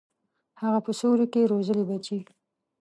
هغه په سیوري کي روزلي بچي